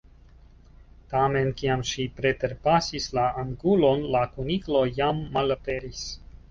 Tamen, kiam ŝi preterpasis la angulon, la kuniklo jam malaperis.